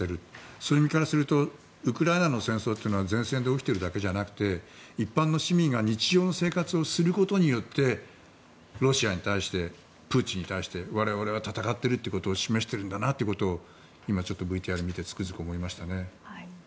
そういう意味からするとウクライナの戦争というのは前線で起きているだけじゃなくて一般の市民が日常の生活をすることでロシアに対してプーチンに対して我々は戦っているということを示しているんだなということを今、ちょっとＶＴＲを見てつくづく思いましたね。